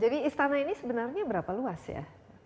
istana ini sebenarnya berapa luas ya